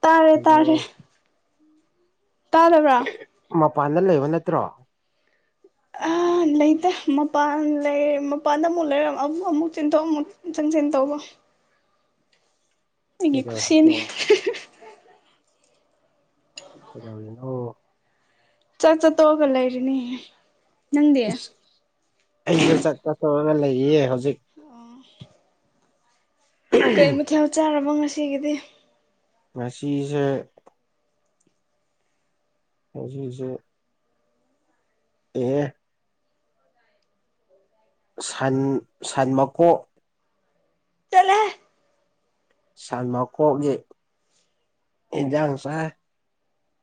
ꯇꯥꯔꯦ ꯇꯥꯔꯦ ꯍꯜꯂꯣ ꯇꯥꯔꯕ꯭ꯔꯥ ꯃꯄꯥꯟꯗ ꯂꯩꯕ ꯅꯠꯇ꯭ꯔꯣ ꯑ ꯂꯩꯇꯦ ꯃꯄꯥꯟ ꯂꯩ ꯃꯄꯥꯟꯗ ꯑꯃꯨꯛ ꯂꯩꯔ ꯑꯃꯨꯛ ꯆꯦꯟꯊꯣꯛ ꯑꯃꯨꯛ ꯆꯪꯁꯤꯟ ꯇꯧꯕ ꯑꯩꯒꯤ ꯀꯩꯗꯧꯔꯤꯒꯦ ꯈꯨꯁꯤꯅꯤ ꯍꯅꯣ ꯆꯠ ꯆꯠ ꯇꯒꯂ ꯏꯔꯤꯅꯤ ꯑꯩꯁꯨ ꯆꯠ ꯆ ꯇꯧꯔꯒ ꯂꯩꯔꯤꯌꯦ ꯍꯧꯖꯤꯛ ꯑꯥ ꯀꯩ ꯃꯊꯦꯜ ꯆꯥꯔꯕ ꯉꯁꯤꯒꯤꯗꯤ ꯃꯁꯤꯁꯤꯁꯦ ꯍꯧꯖꯤꯛ ꯍꯧꯁꯦ ꯑꯦ ꯁꯟ ꯁꯟ ꯃꯀꯣꯛ ꯆꯠꯂꯣꯍꯦ ꯁꯟ ꯃꯀꯦꯛꯒꯤ ꯏꯟꯖꯥꯡ ꯆꯥꯏ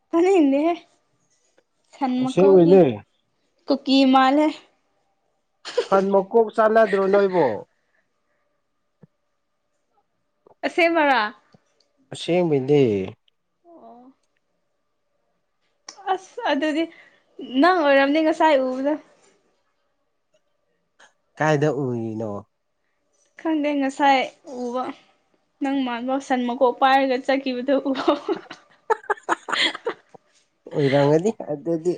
ꯇꯥꯅꯤꯡꯗꯦꯍꯦ ꯁꯟ ꯃꯀꯣꯛꯒꯤ ꯑꯁꯦꯡꯕꯩꯅꯦ ꯀꯨꯀꯤ ꯃꯥꯜꯂꯦ ꯁꯟ ꯃꯀꯣꯛ ꯆꯥꯟꯅꯗ꯭ꯔꯣ ꯅꯣꯏꯕꯣ ꯑꯁꯦꯃ ꯕꯔꯥ ꯑꯁꯦꯡꯕꯩꯅꯦ ꯑꯣ ꯑꯁ ꯑꯗꯨꯗꯤ ꯅꯪ ꯑꯣꯏꯔꯝꯅꯤ ꯉꯁꯥꯏ ꯎꯕꯗꯣ ꯀꯥꯏꯗ ꯎꯔꯤꯅꯣ ꯈꯪꯗꯦ ꯉꯁꯥꯏ ꯎꯕ ꯅꯪ ꯃꯥꯟꯕ ꯁꯟ ꯃꯀꯣꯛ ꯄꯥꯏꯔꯒ ꯆꯠꯈꯤꯕꯗꯨ ꯎꯍꯧ ꯑꯣꯏꯔꯝꯒꯅꯤ ꯑꯗꯨꯗꯤ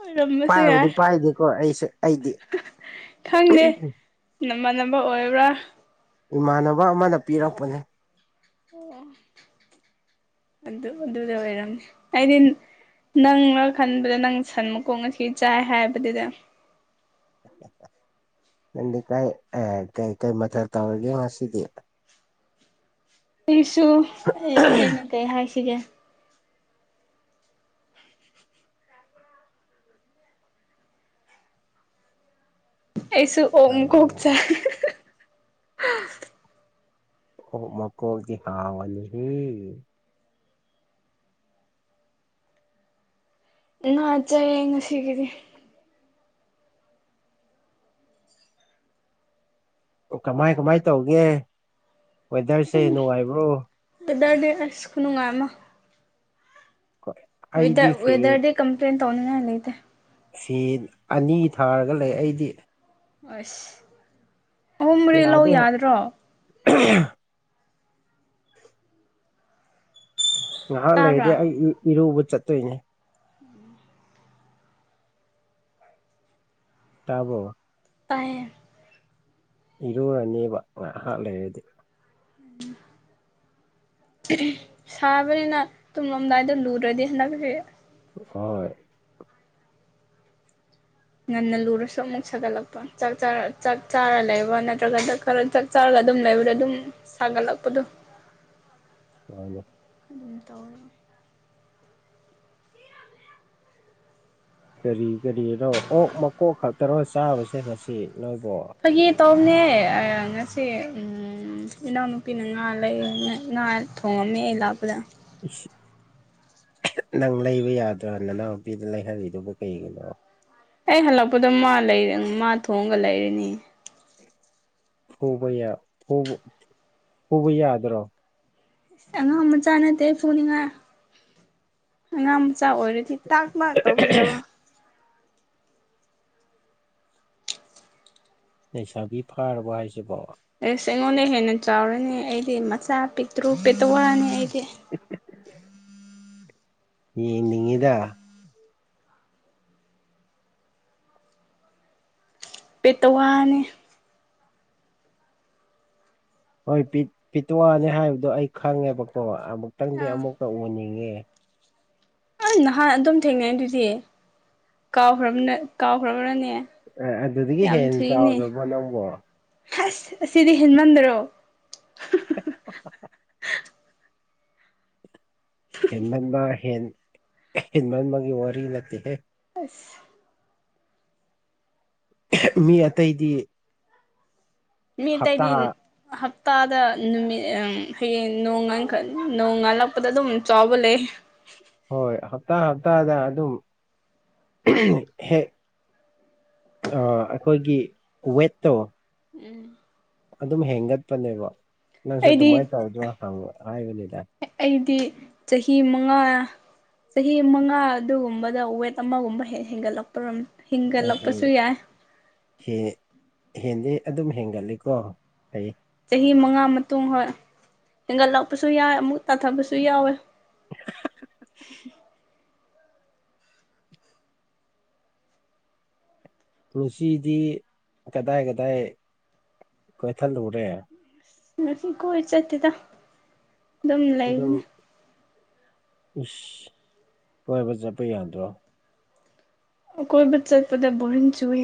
ꯑꯣꯏꯔꯝꯕꯁꯨ ꯄꯥꯏꯕꯨꯗꯤ ꯌꯥꯏ ꯄꯥꯏꯗꯦꯀꯣ ꯑꯩꯁꯨ ꯑꯩꯗꯤ ꯈꯪꯗꯦ ꯅꯃꯥꯟꯅꯕ ꯑꯣꯏꯕ꯭ꯔꯥ ꯏꯃꯥꯟꯅꯕ ꯑꯃꯅ ꯄꯤꯔꯛꯄꯅꯦ ꯑꯣ ꯑꯗꯨ ꯑꯗꯨꯗ ꯑꯣꯏꯔꯝꯅꯤ ꯑꯩꯗꯤ ꯅꯪꯔ ꯈꯟꯕꯗ ꯅꯪ ꯁꯟ ꯃꯀꯣꯛꯉꯁꯤ ꯆꯥꯏ ꯍꯥꯏꯕꯗꯨꯗ ꯅꯪꯗꯤ ꯀꯥꯏ ꯀꯩ ꯀꯩ ꯃꯊꯦꯜ ꯇꯧꯔꯒꯦ ꯉꯁꯤꯗꯤ ꯑꯩꯁꯨ ꯑꯩꯅ ꯀꯩ ꯍꯥꯏꯁꯤꯒꯦ ꯑꯩꯁꯨ ꯑꯣꯛ ꯑꯧ ꯃꯀꯣꯛ ꯆꯥꯏ ꯑꯣꯛ ꯃꯀꯣꯛꯇꯤ ꯍꯥꯎꯕꯅꯦꯍꯦ ꯅꯆꯥꯌꯦ ꯉꯁꯤꯒꯤꯗꯤ ꯑꯣ ꯀꯃꯥꯏ ꯀꯃꯥꯏ ꯇꯧꯒꯦ ꯋꯦꯗꯔꯁꯦ ꯑꯗꯨꯝ ꯅꯨꯡꯉꯥꯏꯕ꯭ꯔꯣ ꯋꯦꯗꯔꯗꯤ ꯑꯁ ꯈꯨꯅꯨꯡꯉꯥꯏ ꯑꯃ ꯀꯣꯏ ꯋꯦꯗꯔ ꯋꯦꯗꯔꯗꯤ ꯀꯝꯄ꯭ꯂꯦꯟ ꯇꯧꯅꯤꯉꯥꯏ ꯂꯩꯇꯦ ꯁꯤ ꯑꯅꯤ ꯊꯥꯔꯒ ꯂꯩ ꯑꯩꯗꯤ ꯑꯁ ꯑꯍꯨꯝ ꯃꯔꯤ ꯂꯧ ꯌꯥꯗꯦ ꯌꯥꯗ꯭ꯔꯣ ꯉꯥꯏꯍꯥꯛ ꯂꯩꯔꯗꯤ ꯇꯥꯕ꯭ꯔꯥ ꯑꯩ ꯏꯔꯨꯕ ꯆꯠꯇꯣꯏꯅꯦ [inaudible] ꯇꯥꯕꯔꯣ ꯇꯥꯏꯌꯦ ꯏꯔꯨꯔꯅꯤꯕ ꯉꯥꯏꯍꯥꯛ ꯂꯩꯔꯗꯤ [inaudible] ꯁꯥꯕꯅꯤꯅ ꯇꯨꯝꯂꯝꯗꯥꯏꯗ ꯂꯨꯗꯔꯗꯤ ꯍꯟꯗꯛꯇꯤ ꯍꯣꯏ ꯉꯟꯅ ꯂꯨꯔꯁꯨ ꯑꯃꯨꯛ ꯁꯥꯒꯠꯂꯛꯄ ꯆꯥꯛ ꯆꯥꯔ ꯆꯥꯛ ꯆꯥꯔ ꯂꯩꯕ ꯅꯠꯇ꯭ꯔꯒ ꯗꯛ ꯈꯔ ꯆꯥꯛ ꯆꯥꯔꯒ ꯑꯗꯨꯝ ꯂꯩꯕꯗ ꯑꯗꯨꯝ ꯁꯒꯠ ꯂꯛꯄꯗꯣ ꯃꯥꯅꯤ ꯑꯗꯨꯝ ꯇꯧꯔꯦ ꯀꯔꯤ ꯀꯔꯤꯔ ꯑꯣꯛ ꯃꯀꯣꯛ ꯈꯛꯇꯔꯣ ꯆꯥꯕꯁꯦ ꯉꯁꯤ ꯅꯣꯏꯕꯨ ꯐꯥꯒꯤ ꯇꯧꯅꯦ ꯑꯥ ꯉꯁꯤ ꯎꯝ ꯎꯝ ꯏꯅꯥꯎꯅꯨꯄꯤꯅ ꯉꯥ ꯂꯩꯌꯦꯅ ꯉꯥ ꯊꯣꯡꯉꯝꯃꯦ ꯑꯩ ꯂꯥꯛꯄꯗ ꯅꯪ ꯂꯩꯕ ꯌꯥꯗ꯭ꯔꯣ ꯅꯅꯥꯎꯅꯨꯄꯤꯗ ꯂꯩꯍꯜꯂꯤꯗꯨꯕꯨ ꯀꯩꯒꯤꯅꯣ ꯑꯩ ꯍꯜꯂꯛꯄꯗ ꯃꯥ ꯂꯩ ꯃꯥ ꯊꯣꯡꯒ ꯂꯩꯔꯅꯤ ꯐꯨꯕ ꯌꯥ ꯐꯨ ꯐꯨꯕ ꯌꯥꯗ꯭ꯔꯣ ꯑꯉꯥꯡ ꯃꯆꯥ ꯅꯠꯇꯦ ꯐꯨꯅꯤꯡꯉꯥꯏ ꯑꯉꯥꯡ ꯃꯆꯥ ꯑꯣꯏꯔꯗꯤ ꯇꯥꯛ ꯃꯥꯥꯛ ꯇꯧꯕꯤꯗꯕ ꯂꯩꯁꯥꯕꯤ ꯐꯥꯔꯕꯣ ꯍꯥꯏꯁꯤꯕꯨ ꯑꯦꯁ ꯑꯩꯉꯣꯟꯗ ꯍꯦꯟꯅ ꯆꯥꯎꯔꯅꯤ ꯑꯩꯗꯤ ꯃꯆꯥ ꯄꯤꯛꯇ꯭ꯔꯨ ꯄꯦꯛꯇꯧ ꯑꯣꯏꯔꯅꯤ ꯑꯩꯗꯤ ꯌꯦꯡꯅꯤꯡꯉꯤꯗ ꯄꯦꯇꯋꯥꯅꯤ ꯍꯣꯏ ꯄꯤꯇꯋꯥꯅꯤ ꯍꯥꯏꯕꯗꯣ ꯑꯩ ꯈꯪꯉꯦꯕꯀꯣ ꯑꯃꯨꯛꯇꯪꯗꯤ ꯑꯥ ꯑꯃꯨꯛꯛꯇ ꯎꯅꯤꯡꯉꯦ ꯑꯩ ꯅꯍꯥꯟ ꯑꯗꯨꯝ ꯊꯦꯡꯅꯩ ꯑꯗꯨꯗꯤ ꯀꯥꯎꯈ꯭ꯔꯕ ꯀꯥꯎꯈ꯭ꯔꯕꯅꯅꯦ ꯑꯦ ꯑꯗꯨꯗꯒꯤ ꯍꯦꯟꯅ ꯆꯥꯎꯗꯕꯣ ꯅꯪꯕꯣ ꯑꯁ ꯑꯁꯤꯗꯤ ꯍꯦꯟꯃꯟꯗ꯭ꯔꯣ ꯍꯦꯟꯃꯟꯕ ꯍꯦꯟ ꯍꯦꯟꯃꯟꯕꯒꯤ ꯋꯥꯔꯤ ꯅꯠꯇꯦꯍꯦ ꯑꯁ ꯃꯤ ꯑꯇꯩꯗꯤ ꯃꯤ ꯇꯥꯏꯗꯤ ꯍꯞꯇꯥ ꯍꯞꯇꯥꯗ ꯅꯨꯃꯤꯠ ꯍꯌꯦꯡ ꯅꯣꯡꯈ ꯅꯣꯡ ꯉꯥꯜꯂꯛꯄꯗ ꯑꯗꯨꯝ ꯆꯥꯎꯕ ꯂꯩ ꯍꯣꯏ ꯍꯞꯇꯥ ꯍꯞꯇꯥꯗ ꯑꯗꯨꯝ ꯍꯦꯛ ꯑꯩꯈꯣꯏꯒꯤ ꯋꯦꯠꯇꯣ ꯎꯝ ꯑꯗꯨꯝ ꯍꯦꯟꯒꯠꯄꯅꯦꯕ ꯅꯪꯁꯨ ꯑꯩꯗꯤ ꯑꯗꯨꯃꯥꯏꯅ ꯇꯧꯗ꯭ꯔꯣ ꯍꯪꯕ ꯍꯥꯏꯕꯅꯤꯗ ꯑꯩꯗꯤ ꯆꯍꯤ ꯃꯉꯥ ꯆꯍꯤ ꯃꯉꯥ ꯑꯗꯨꯒꯨꯝꯕꯗ ꯋꯦꯠ ꯑꯃꯒꯨꯝꯕ ꯍꯦꯟꯒꯠꯂꯛꯇꯔꯝ ꯑꯩ ꯍꯦ ꯍꯦꯟꯗꯤ ꯑꯗꯨꯝ ꯍꯦꯟꯒꯠꯂꯤꯀꯣ ꯑꯩ ꯆꯍꯤ ꯃꯉꯥ ꯃꯇꯨꯡ ꯍꯣꯏ ꯍꯦꯟꯒꯠꯂꯛꯄꯁꯨ ꯌꯥꯎꯏꯦ ꯑꯃꯨꯛ ꯇꯥꯊꯕꯁꯨ ꯌꯥꯎꯋꯦ ꯎ ꯄꯨꯟꯁꯤꯗꯤ ꯀꯗꯥꯏ ꯀꯗꯥꯏ ꯀꯣꯏꯊꯜꯂꯨꯔꯦ ꯉ ꯀꯣꯏ ꯆꯥꯠꯇꯗ ꯑꯩꯗꯣ ꯏꯁꯁ ꯍꯣꯏꯕ ꯆꯠꯄ ꯌꯥꯗ꯭ꯔꯣ ꯀꯣꯏ ꯕꯆꯆꯥ ꯄꯗ ꯣꯏ ꯆꯨꯋꯦ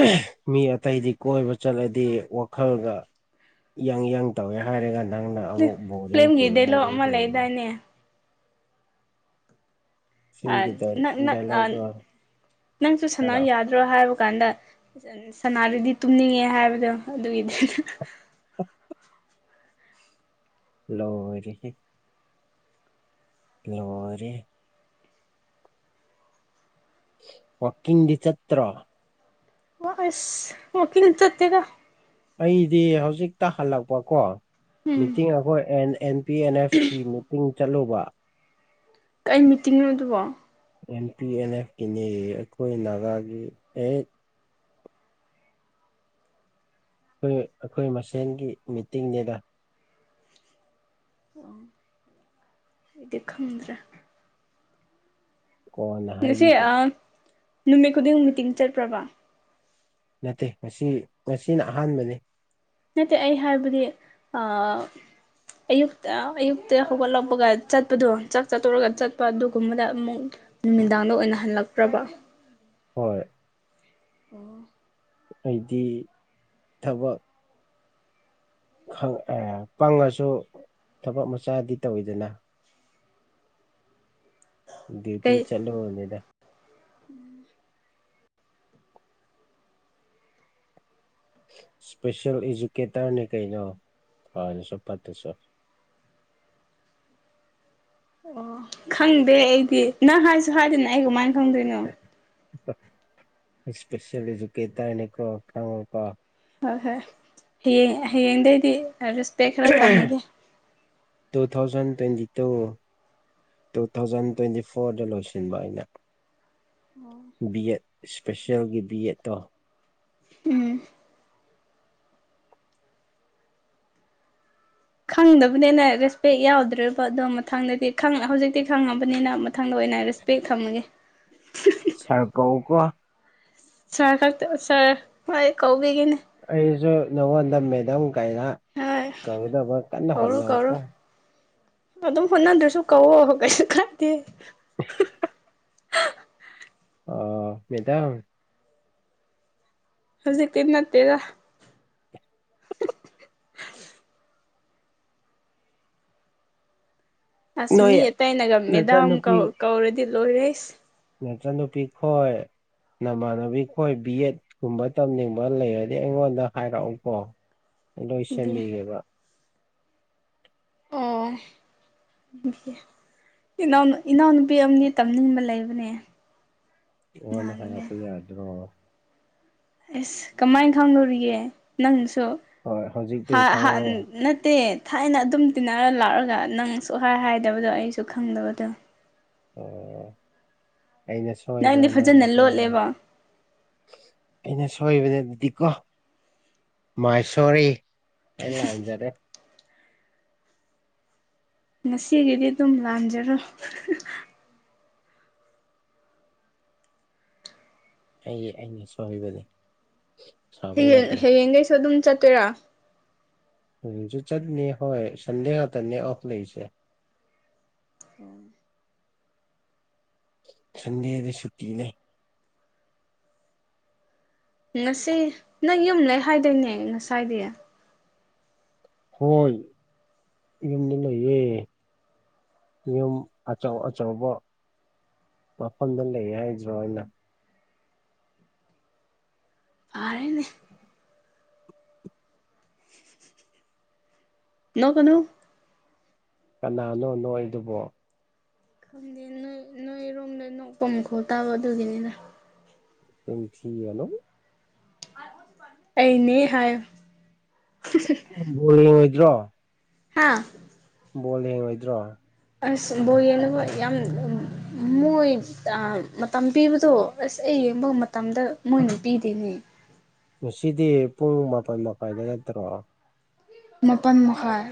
ꯑꯍꯦ ꯃꯤ ꯑꯇꯩꯗꯤ ꯀꯣꯏꯕ ꯆꯠꯂꯗꯤ ꯋꯥꯈꯜꯒ ꯌꯥꯪ ꯌꯥꯡ ꯇꯧꯋꯦ ꯍꯥꯏꯔꯒ ꯅꯪꯅ ꯑꯃꯨꯛ ꯕꯣꯔꯤꯡ ꯐꯤꯂꯝꯒꯤ ꯆꯨꯏꯦ ꯗꯥꯏꯂꯣꯛ ꯍꯥꯏꯔꯒ ꯑꯃ ꯀꯩ ꯂꯩꯗꯥꯏꯅꯦ ꯁꯤꯝꯒꯤ ꯗꯥꯏꯂꯣꯛꯗꯣ ꯅꯪꯁꯨ ꯁꯅ ꯍꯥꯏꯔꯛꯑꯣ ꯌꯥꯗ ꯠꯇ꯭ꯔꯣ ꯍꯥꯏꯕ ꯀꯥꯟꯗ ꯁꯅꯥꯗꯨꯗꯤ ꯇꯨꯝꯅꯤꯡꯉꯦ ꯍꯥꯏꯕꯗꯣ ꯑꯗꯨꯒꯤꯗꯤ ꯂꯣꯏ ꯔꯦꯍꯦ ꯂꯔꯤꯦ ꯋꯥꯀꯤꯡꯗꯤ ꯆꯠꯇ꯭ꯔ ꯑꯁ ꯋꯥꯀꯤꯜ ꯆꯠꯇꯦꯒ ꯑꯩꯗꯤ ꯍꯧꯖꯤꯛꯇ ꯍꯜꯂꯛꯄꯀꯣ ꯎꯝ ꯃꯤꯇꯤꯡ ꯑꯩꯈꯣꯏ ꯑꯦꯟ ꯑꯦꯟ ꯄꯤ ꯑꯦꯟ ꯑꯦꯐꯀꯤꯤ ꯃꯤꯇꯤꯡ ꯆꯠꯂꯨꯕ ꯀꯩ ꯃꯤꯇꯤꯡꯅꯣ ꯑꯗꯨꯕꯣ ꯑꯦꯟ ꯄꯤ ꯑꯦꯟ ꯑꯦꯐꯀꯤꯤꯅꯦ ꯑꯩꯈꯣꯏ ꯅꯥꯒꯥꯒꯤ ꯑꯩꯠ ꯑꯩꯈꯣꯏ ꯑꯩꯈꯣꯏ ꯃꯁꯦꯟꯒꯤ ꯃꯤꯇꯤꯡꯅꯤꯗ ꯑꯣ ꯏ ꯈꯗ꯭ꯔ ꯀꯣꯟꯅ ꯉꯁꯤ ꯍꯥꯏꯕꯤꯒꯦ ꯑꯥ ꯅꯨꯃꯤꯠ ꯈꯨꯗꯤꯡꯒꯤ ꯃꯤꯇꯤꯡ ꯆꯠꯄ꯭ꯔꯕ ꯅꯠꯇꯦ ꯃꯁꯤ ꯃꯁꯤꯅ ꯑꯍꯥꯟꯕꯅꯤ ꯅꯠꯇꯦ ꯑꯩ ꯍꯥꯏꯕꯗꯤ ꯑꯥ ꯑꯌꯨꯛꯇ ꯑꯌꯨꯛꯇ ꯍꯧꯒꯠꯂꯛꯄꯒ ꯆꯠꯄꯗꯣ ꯆꯥꯛ ꯆꯠꯇꯨꯔꯒ ꯆꯠꯄ ꯑꯗꯨꯒꯨꯝꯕꯗ ꯑꯃꯨꯛ ꯅꯨꯃꯤꯗꯥꯡꯗ ꯑꯣꯏꯅ ꯍꯜꯂꯛꯇ꯭ꯔꯕ ꯍꯣꯏ ꯑꯣ ꯍꯥꯏꯗꯤ ꯊꯕꯛ ꯈꯪ ꯑꯦ ꯄꯪꯉꯁꯨ ꯊꯕꯛ ꯃꯆꯥꯗꯤ ꯇꯧꯋꯤꯗꯅ ꯗꯌꯇꯤ ꯆꯠꯂꯕꯅꯦꯗ ꯎꯝ ꯏꯁꯄꯦꯁꯤꯦꯜ ꯏꯖꯨꯀꯦꯇꯔꯅꯦ ꯀꯩꯅꯣ ꯍꯁꯨꯣ ꯐꯠꯇꯁꯨ ꯑꯣ ꯈꯪꯗꯦ ꯑꯩꯗꯤ ꯅꯪ ꯍꯥꯏꯁꯨ ꯍꯥꯏꯗꯅ ꯑꯩ ꯀꯃꯥꯏꯅ ꯈꯪꯗꯣꯏꯅꯣ ꯏꯁꯄꯦꯁꯜꯀꯦ ꯇꯅꯦꯀꯣ ꯈꯉ ꯀꯣ ꯍꯣꯏ ꯍꯣꯏ ꯍꯌꯦꯡ ꯍꯌꯦꯡꯗꯩꯗꯤ ꯈꯔ ꯊꯝꯃꯒꯦ two thousand twenty two two thousand twenty ꯐꯣꯔꯗ ꯂꯣꯏꯁꯤꯟꯕ ꯑꯩꯅ ꯑꯣ ꯕꯤ ꯑꯦꯠ ꯏꯁꯄꯦꯁꯦꯜꯒꯤ ꯕꯤ ꯑꯦꯠꯇꯣ ꯎꯝ ꯈꯪꯗꯕꯅꯤꯅ ꯔꯦꯁꯄꯦꯛ ꯌꯥꯎꯗ꯭ꯔꯦꯔꯤꯕ ꯑꯗꯨꯗꯣ ꯃꯊꯪꯗꯗꯤ ꯍꯧꯖꯤꯛꯇꯤ ꯈꯪꯉꯕꯅꯤꯅ ꯑꯈꯪꯗ ꯑꯣꯏꯅ ꯔꯦꯁꯄꯦꯛ ꯈꯝꯃꯒꯦ ꯁꯔ ꯀꯧꯑꯣ ꯀꯣ ꯁꯥꯔ ꯈꯛꯇ ꯁꯥꯔ ꯍꯣꯏ ꯀꯧꯕꯤꯒꯅꯤ ꯑꯩꯁꯨ ꯅꯉꯣꯟꯗ ꯃꯦꯗꯥꯗꯝ ꯀꯔ ꯍꯣꯏ ꯀꯧꯗꯕ ꯀꯟꯅ ꯀꯧꯔꯣ ꯀꯧꯔꯣ ꯍꯣꯠꯅꯧꯀꯣ ꯑꯗꯨꯝ ꯍꯣꯠꯅꯗ꯭ꯔꯁꯨ ꯀꯧꯋꯑꯣ ꯀꯩꯁꯨ ꯀꯥꯏꯗꯦ [inaudible] ꯑꯣ ꯃꯦꯗꯥꯝ ꯍꯧꯖꯤꯛ ꯀꯟꯅ ꯇꯦꯔ ꯑꯁ ꯅꯣꯏ ꯃꯤ ꯑꯇꯩꯅꯒ ꯃꯦꯗꯥꯝꯧ ꯅꯆꯟꯅꯨꯄꯤ ꯀꯧꯔꯗꯤ ꯂꯣꯏꯔꯦ ꯅꯆꯥꯟꯅꯨꯄꯤ ꯈꯣꯏ ꯅꯃꯥꯟꯅꯕꯤ ꯈꯣꯏ ꯕꯤ ꯑꯦꯠ ꯒꯨꯝꯕ ꯇꯝꯅꯤꯡꯕ ꯂꯩꯔꯗꯤ ꯑꯩꯉꯣꯟꯗ ꯍꯥꯏꯔꯛꯎꯀꯣ ꯑꯩ ꯂꯣꯏ ꯁꯦꯝꯟꯕꯤꯒꯦꯕ ꯑꯣ ꯏꯅꯥꯎ ꯏꯅꯥꯎꯅꯨꯄꯤ ꯑꯃꯗꯤ ꯇꯝꯅꯤꯡꯕ ꯂꯩꯕꯅꯦ ꯋꯥ ꯂ ꯍꯥꯏ ꯅꯍꯥꯟꯒꯤ ꯄ ꯌꯥꯗꯔꯣ ꯑꯁ ꯀꯃꯥꯏꯅ ꯈꯪꯅꯨꯔꯤꯒꯦ ꯅꯪꯁꯨ ꯍꯣꯏ ꯍꯧꯖꯤꯛꯇꯤ ꯍꯥ ꯍꯥ ꯈꯪꯉꯣ ꯅꯠꯇ ꯊꯥꯏꯅ ꯑꯗꯨꯝ ꯇꯤꯟꯅꯔ ꯂꯥꯛꯑꯒ ꯅꯪ ꯁꯨꯡꯍꯥꯏ ꯍꯥꯏꯗꯕꯗꯣ ꯑꯩꯁꯨ ꯈꯪꯗꯕꯗꯣ ꯑꯣ ꯑꯩꯅꯁꯨ ꯅꯪꯗꯤ ꯐꯖꯅ ꯂꯣꯠꯂꯦꯕ ꯁꯣꯏꯕꯗꯤꯀꯣ ꯃꯥꯏꯁꯣꯔꯤ ꯑꯩ ꯂꯥꯟꯖꯔꯦ ꯉꯁꯤꯒꯤꯗꯤ ꯑꯗꯨꯝ ꯂꯥꯟꯖꯔꯣ ꯑꯩ ꯑꯩꯅ ꯁꯣꯏꯕꯅꯦ ꯁꯥꯎꯕ ꯍꯌꯦꯡ ꯌꯥꯗ꯭ꯔꯦ ꯍꯌꯦꯡꯒꯩꯁꯨ ꯑꯗꯨꯝ ꯆꯠꯇꯣꯏꯔꯥ ꯎꯁꯨ ꯆꯠꯅꯤ ꯍꯣꯏ ꯁꯟꯗꯦ ꯉꯥꯛꯇꯅꯤ ꯑꯣꯐ ꯂꯩꯁꯦ ꯎ ꯁꯟꯗꯦ ꯗꯨ ꯁꯨꯇꯤꯅ ꯉꯁꯤ ꯅꯪ ꯌꯨꯝ ꯂꯩ ꯍꯥꯏꯗꯣꯏꯅꯦ ꯉꯁꯥꯏꯗꯤ ꯍꯣꯏ ꯌꯨꯝꯗ ꯂꯩꯌꯦ ꯌꯨꯝ ꯑꯆꯧ ꯑꯆꯧꯕ ꯃꯐꯝꯗ ꯂꯩ ꯍꯥꯏꯗ꯭ꯔꯣ ꯑꯩꯅ ꯑꯔꯦꯅꯦ ꯂ ꯀꯩꯅꯣ ꯀꯅꯥꯅꯣ ꯅꯣꯏꯗꯨꯕꯣ ꯝꯗꯤ ꯅꯣꯏ ꯅꯣꯏꯔꯣꯝꯗ ꯅꯣꯛꯐꯝꯝ ꯈꯣ ꯇꯥꯕ ꯑꯗꯨꯒꯤꯅꯤꯅ ꯇꯦꯝ ꯄꯤ ꯑꯦꯜ ꯑꯣ ꯑꯩꯅꯦ ꯍꯥꯏꯌ ꯣꯡꯉ ꯑꯣꯏꯗ꯭ꯔꯣ ꯍꯥꯥ ꯕꯣꯜ ꯍꯦꯡꯉꯣꯏꯗ꯭ꯔꯣ ꯑꯁ ꯕꯣ ꯌꯦꯅꯕ ꯌꯥꯝ ꯃꯣꯏ ꯃꯇꯝ ꯄꯤꯕꯗꯣ ꯑꯁ ꯑꯩ ꯌꯦꯡꯕ ꯃꯇꯝꯗ ꯃꯣꯏꯅ ꯄꯤꯗꯦꯅꯦ ꯉꯁꯤꯗꯤ ꯄꯨꯡ ꯃꯥꯄꯟ ꯃꯈꯥꯏꯗ ꯅꯠꯇ꯭ꯔꯣ ꯃꯥꯄꯟ ꯃꯈꯥꯏ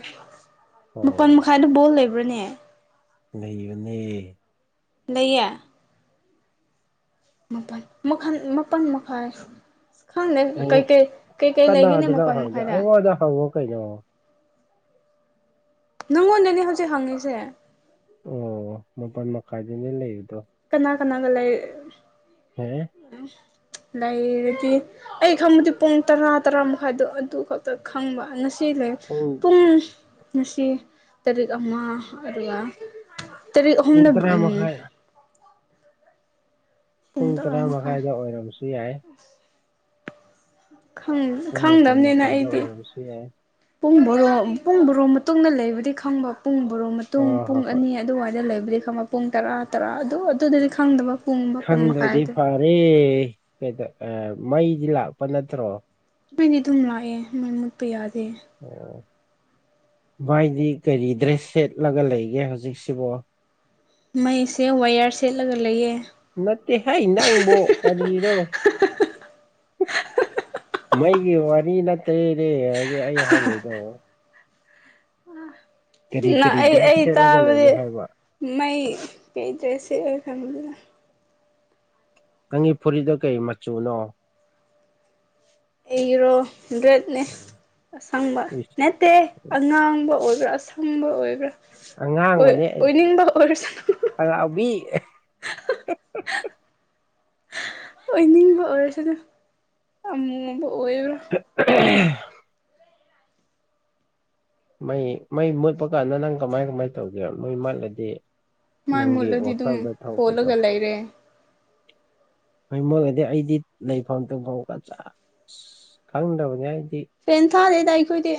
ꯃꯥꯄꯟ ꯑꯣ ꯃꯈꯥꯏꯗ ꯕꯣꯜ ꯂꯩꯕ꯭ꯔꯅꯦ ꯂꯩꯕꯅꯦ ꯂꯩꯌꯦ ꯃꯥꯜꯄꯟ ꯃꯈꯜ ꯃꯥꯄꯟ ꯃꯈꯥꯏ ꯈꯪꯗꯦ ꯀꯩꯀꯩ ꯀꯩꯀꯩ ꯂꯩꯒꯦꯅꯦ ꯃꯄꯥꯟ ꯃꯈꯥꯏꯗ ꯑꯗ ꯍꯡꯉꯨ ꯀꯩꯅꯣ ꯅꯪꯉꯣꯟꯗꯅꯦ ꯍꯧꯖꯤꯛ ꯍꯪꯉꯤꯁꯦ ꯑꯣ ꯃꯥꯄꯟ ꯃꯈꯥꯏꯗꯅꯦ ꯂꯩꯔꯤꯗꯣ ꯀꯅꯥ ꯀꯅꯥꯒ ꯂꯩ ꯐꯌꯦ ꯏꯁ ꯂꯩꯔꯗꯤ ꯑꯩ ꯈꯪꯕꯗꯤ ꯄꯨꯡ ꯇꯔꯥ ꯇꯔꯥ ꯃꯈꯥꯏꯗꯣ ꯑꯗꯨ ꯈꯛꯇ ꯈꯪꯕ ꯉꯁꯤ ꯁꯤ ꯂꯩ ꯄꯨꯡ ꯉꯁꯤ ꯇꯔꯦꯠ ꯑꯃ ꯑꯗꯨꯒ ꯇꯔꯦꯠ ꯄꯨꯡ ꯑꯍꯨꯝꯅ ꯇꯔꯥ ꯎꯝ ꯃꯈꯥꯏ ꯄꯨꯡ ꯇꯔꯥ ꯃꯈꯥꯏꯗ ꯑꯣꯏꯔꯝꯕꯁꯨ ꯌꯥꯏ ꯑꯁ ꯄꯨꯡ ꯃꯥꯄꯜ ꯈꯪꯗꯕꯅꯤꯅ ꯃꯈꯥꯏꯗ ꯑꯩꯗꯤ ꯑꯣꯏꯔꯝꯕꯁꯨ ꯌꯥꯏ ꯄꯨꯡ ꯕꯣꯔꯣ ꯄꯨꯡ ꯕꯣꯔꯣ ꯃꯇꯨꯡꯗ ꯂꯩꯕꯗꯤ ꯈꯪꯕ ꯄꯨꯡ ꯕꯣꯔꯣ ꯃꯠ ꯍꯣꯏ ꯄꯨꯡ ꯄꯨꯡ ꯍꯣꯏ ꯍꯣꯏ ꯑꯅꯤ ꯑꯗꯨꯋꯥꯏꯗ ꯂꯩꯕꯨꯗꯤ ꯈꯪꯉꯛ ꯄꯨꯡ ꯇꯔꯥ ꯇꯔꯥ ꯑꯗꯨ ꯑꯗꯨꯗꯗꯤ ꯈꯪꯗꯕ ꯄꯨꯡ ꯃꯥꯄꯟ ꯃꯈꯥꯏꯗ ꯑꯦ ꯅꯣꯏꯗ ꯃꯩꯗꯤ ꯂꯥꯛꯄ ꯅꯠꯇ꯭ꯔꯣ ꯃꯩꯗꯤ ꯑꯗꯨꯝ ꯂꯥꯛꯑꯦ ꯃꯩ ꯃꯨꯠꯄ ꯌꯥꯗꯦ ꯑꯣ ꯚꯥꯏꯗꯤ ꯀꯔꯤ ꯗ꯭ꯔꯦꯁ ꯁꯦꯠꯂꯒ ꯂꯩꯒꯦ ꯍꯧꯖꯤꯛꯁꯤꯕꯣ ꯃꯩꯁꯦ ꯋꯥꯌꯔ ꯁꯦꯠꯂꯒ ꯂꯩꯌꯦ ꯅꯠꯇꯦꯍꯦ ꯅꯪꯕꯨ ꯀꯔꯤꯔꯣꯕ ꯃꯩꯒꯤ ꯋꯥꯔꯤ ꯅꯠꯇꯦꯅꯦ ꯍꯧꯖꯤꯛ ꯑꯩ ꯍꯪꯉꯤꯗꯣ ꯀꯔꯤ ꯅ ꯀꯔꯤ ꯑꯩ ꯗ꯭ꯔꯦꯁ ꯑꯩ ꯁꯦꯠꯂꯒ ꯇꯥꯕꯗꯤ ꯂꯩꯒꯦ ꯍꯥꯏꯕ ꯃꯩ [unintelligible] ꯀꯔꯤ ꯐꯨꯔꯤꯠꯅꯣꯀꯩ ꯃꯆꯨꯅꯣ ꯑꯩꯔꯣ ꯔꯦꯠꯅꯦ ꯑꯁꯪꯕ ꯏꯁ ꯅꯠꯇꯦ ꯑꯉꯥꯡꯕ ꯑꯣꯏꯕ꯭ꯔꯥ ꯑꯁꯪꯕ ꯑꯣꯏꯕ꯭ꯔꯥ ꯑꯣꯏ ꯑꯉꯥꯡꯕꯅꯦ ꯑꯣꯏꯅꯤꯡꯕ ꯑꯣꯏꯔꯁꯅꯨ ꯑꯉꯥꯎꯕꯤ ꯑꯣꯏꯅꯤꯡꯕ ꯑꯣꯏꯔꯁꯨꯅꯨ ꯑꯃꯨꯕ ꯑꯣꯏꯕ꯭ꯔꯥ [inaudible] ꯃꯩ ꯃꯩ ꯃꯨꯠꯄ ꯀꯥꯟꯗ ꯅꯪ ꯀꯃꯥꯏ ꯀꯃꯥꯏ ꯇꯧꯒꯦ ꯃꯩ ꯃꯠꯂꯗꯤ ꯃꯥꯏ ꯅꯪꯒꯤ ꯃꯨꯠꯂꯗꯤ ꯑꯗꯨꯝ ꯋꯥꯈꯜꯗ ꯊꯣꯛꯄꯗꯣ ꯐꯣꯠꯂꯒ ꯂꯩꯔꯦ ꯍꯣꯏ ꯃꯣꯏꯒꯗꯤ ꯑꯩꯗꯤ ꯂꯩꯐꯝ ꯇꯨꯝꯐꯝ ꯀꯆꯥ ꯈꯪꯗꯕꯅꯦ ꯑꯩꯗꯤ ꯐ꯭ꯔꯦꯟ ꯀꯗꯦꯗꯥ ꯑꯩꯥꯈꯣꯏꯗꯤ